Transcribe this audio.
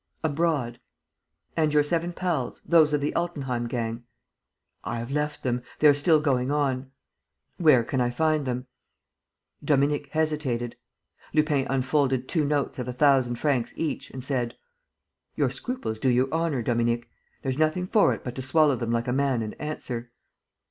"Abroad." "And your seven pals, those of the Altenheim gang?" "I have left them. They are still going on." "Where can I find them?" Dominique hesitated. Lupin unfolded two notes of a thousand francs each and said: "Your scruples do you honor, Dominique. There's nothing for it but to swallow them like a man and answer."